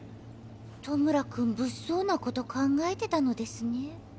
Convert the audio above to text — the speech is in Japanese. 弔くん物騒なこと考えてたのですねえ。